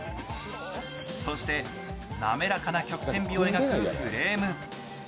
そしてなめらかな曲線美を描くフレーム。